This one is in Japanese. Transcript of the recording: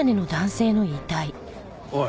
おい。